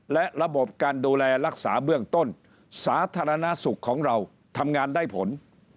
และระบบการดูแลรักษาเบื้องต้นสาธารณสุขของเราทำงานได้ผล